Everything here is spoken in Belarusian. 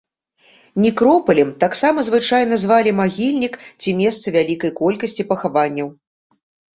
Некропалем таксама звычайна звалі магільнік ці месца вялікай колькасці пахаванняў.